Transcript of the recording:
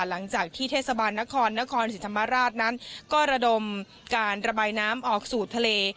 หลังจากที่เทศบาลนครนครศรีธรรมราชนั้นก็ระดมการระบายน้ำออกสู่ทะเล